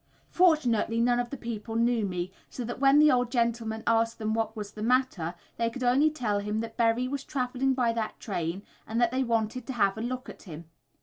Fortunately none of the people knew me, so that when the old gentleman asked them what was the matter they could only tell him that Berry was travelling by that train and that they wanted to have a look at him.